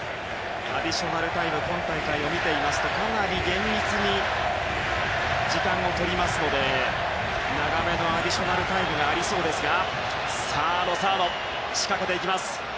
アディショナルタイム今大会を見ていますとかなり厳密に時間をとりますので長めのアディショナルタイムがありそうですが。